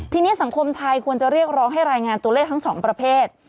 ทีนี้สังคมไทยควรจะเรียกร้องให้รายงานตัวเลขทั้งสองประเภท